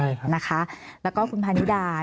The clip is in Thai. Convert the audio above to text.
มีความรู้สึกว่าเสียใจ